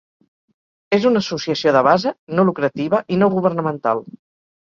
És una associació de base, no lucrativa i no governamental.